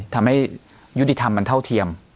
ทำให้ยุติธรรมมันเท่าเทียม